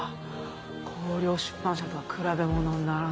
光陵出版社とは比べ物にならない。